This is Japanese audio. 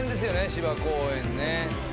芝公園ね。